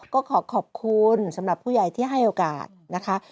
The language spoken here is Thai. ก็ขอขอบคุณสำหรับผู้ใหญ่ที่ให้โอกาสนะคะ